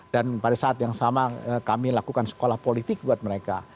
dan pada saat yang sama kami lakukan sekolah politik buat mereka